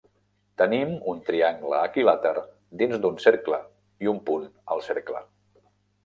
Tenim un triangle equilàter dins d'un cercle i un punt al cercle.